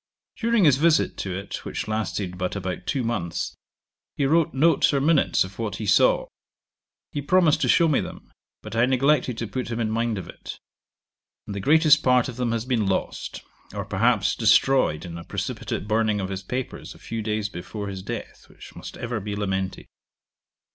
During his visit to it, which lasted but about two months, he wrote notes or minutes of what he saw. He promised to show me them, but I neglected to put him in mind of it; and the greatest part of them has been lost, or perhaps, destroyed in a precipitate burning of his papers a few days before his death, which must ever be lamented.